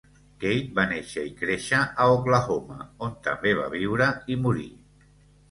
Keith va néixer i créixer a Oklahoma, on també va viure i morir.